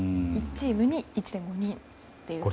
１チームに１．５人という。